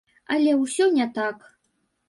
Але ўсё не так.